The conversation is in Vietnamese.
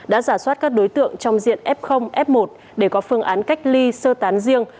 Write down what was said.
đã giả soát các đối tượng trong diện f f một để có phương án cách ly sơ tán riêng